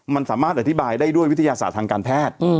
มันสามารถอธิบายได้ด้วยวิทยาศาสตร์ทางการแพทย์